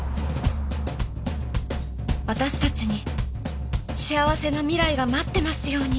私たちに幸せな未来が待ってますように